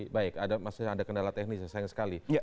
baik ada masalah ada kendala teknis ya sayang sekali